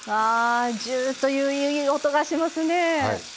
ジューッといういい音がしますね。